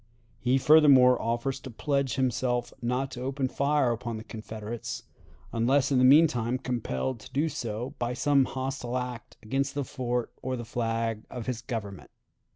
He furthermore offers to pledge himself not to open fire upon the Confederates, unless in the mean time compelled to do so by some hostile act against the fort or the flag of his Government.